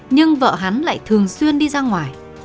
nhưng vợ hắn lại thường xuyên đi ra ngoài